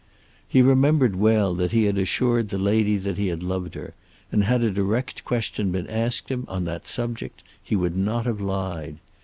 He remembered well that he had assured the lady that he loved her, and had a direct question been asked him on that subject he would not have lied.